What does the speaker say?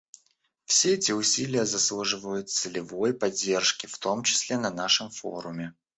Все эти усилия заслуживают целевой поддержки, в том числе на нашем форуме.